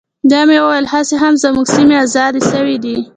بيا مې وويل هسې هم زموږ سيمې ازادې سوي دي.